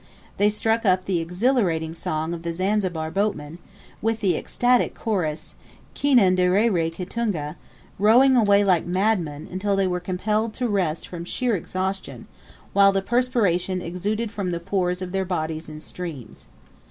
They struck up the exhilarating song of the Zanzibar boatmen, with the ecstatic chorus Kinan de re re Kitunga, rowing away like madmen, until they were compelled to rest from sheer exhaustion, while the perspiration exuded from the pores of their bodies in streams.